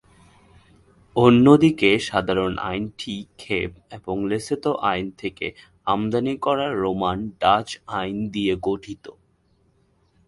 অন্যদিকে সাধারণ আইনটি কেপ এবং লেসোথো আইন থেকে আমদানি করা রোমান ডাচ আইন নিয়ে গঠিত।